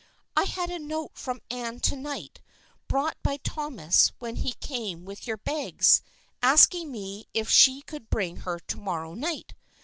" I had a note from Anne to night, brought by Thomas when he came with your bags, asking me if she could bring her to morrow night.